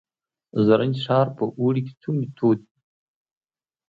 زرنج ښار په اوړي کې څومره تود وي؟